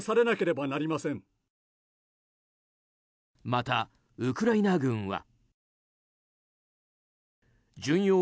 またウクライナ軍は。